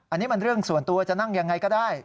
อันนี้มันเรื่องส่วนตัวจะนั่งยังไงก็ได้